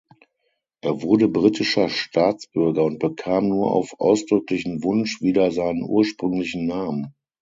Er wurde britischer Staatsbürger und bekam nur auf ausdrücklichen Wunsch wieder seinen ursprünglichen Namen.